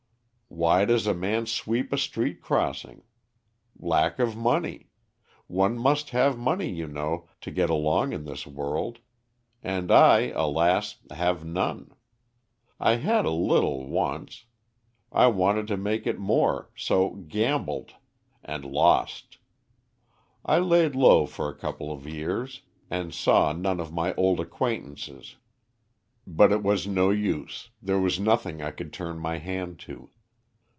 "Why does a man sweep a street crossing? Lack of money. One must have money, you know, to get along in this world; and I, alas, have none. I had a little once; I wanted to make it more, so gambled and lost. I laid low for a couple of years, and saw none of my old acquaintances; but it was no use, there was nothing I could turn my hand to.